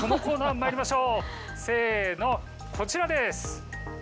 このコーナーにまいりましょうこちらです。